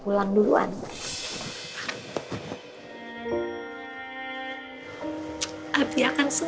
pegang janji kamu